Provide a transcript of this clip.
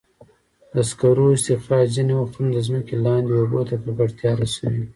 د سکرو استخراج ځینې وختونه د ځمکې لاندې اوبو ته ککړتیا رسوي.